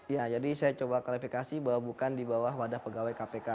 ya jadi saya coba klarifikasi bahwa bukan di bawah wadah pegawai kpk